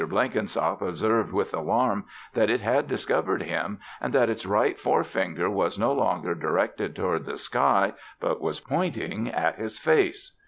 Blenkinsop observed with alarm that it had discovered him and that its right forefinger was no longer directed toward the sky but was pointing at his face.